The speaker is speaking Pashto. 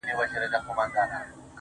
اوښکي نه راتویومه خو ژړا کړم